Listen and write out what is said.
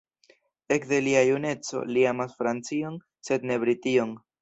Ekde lia juneco li amas Francion sed ne Brition.